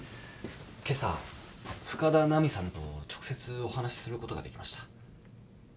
今朝深田奈美さんと直接お話しすることができました。